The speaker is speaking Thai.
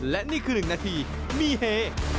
และนี่คือ๑นาทีมีเฮ